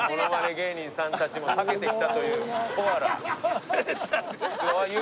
芸人さんたちも避けてきたというコアラ。